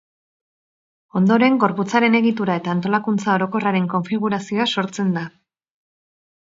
Ondoren, gorputzaren egitura eta antolakuntza orokorraren konfigurazioa sortzen da.